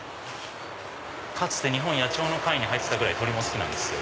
かつて日本野鳥の会に入ってたぐらい鳥も好きなんですよ。